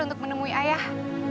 untuk menemui ayah